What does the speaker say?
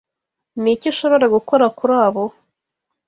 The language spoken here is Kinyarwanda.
Niki ushobora gukora kuri abo?